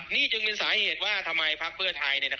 นี่จึงเป็นสาเหตุว่าทำไมพักเพื่อไทย